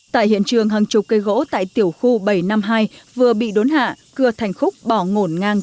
tại hiện trường hàng chục cây gỗ tại tiểu khu bảy trăm năm mươi hai vừa bị đốn hạ cưa thành khúc bỏ ngổn ngang